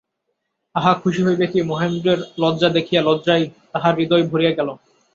আশা খুশি হইবে কি, মহেন্দ্রের লজ্জা দেখিয়া লজ্জায় তাহার হৃদয় ভরিয়া গেল।